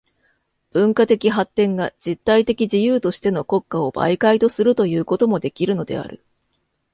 文化的発展が実体的自由としての国家を媒介とするということもできるのである。